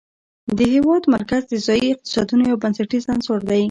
د هېواد مرکز د ځایي اقتصادونو یو بنسټیز عنصر دی.